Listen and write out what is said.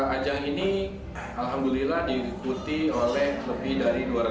ajang ini alhamdulillah diikuti oleh pemerintah